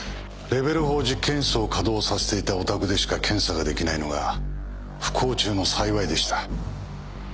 レベル４実験室を稼動させていたおたくでしか検査ができないのが不幸中の幸いでした。